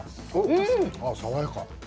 爽やか。